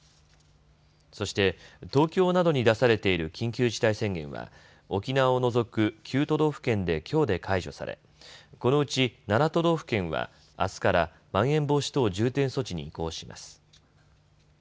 そして、東京などに出されている緊急事態宣言は沖縄を除く９都道府県できょうで解除され、このうち７都道府県はあすからまん延防止等重点措置に移行します。